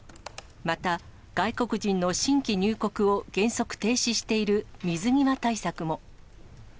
また、外国人の新規入国を原則停止している水際対策も。